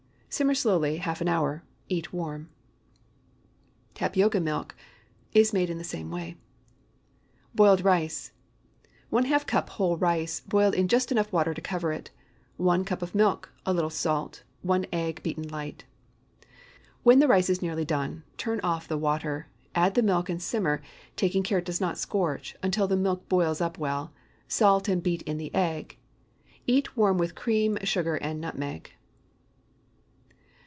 Simmer slowly half an hour. Eat warm. TAPIOCA MILK Is made in the same way. BOILED RICE. ✠ ½ cup whole rice, boiled in just enough water to cover it. 1 cup of milk. A little salt. 1 egg, beaten light. When the rice is nearly done, turn off the water, add the milk and simmer—taking care it does not scorch—until the milk boils up well. Salt, and beat in the egg. Eat warm with cream, sugar, and nutmeg.